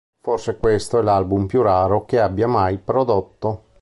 Forse questo è l'album più raro che abbia mai prodotto.